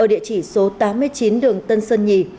ở địa chỉ số tám mươi chín đường tân sơn nhì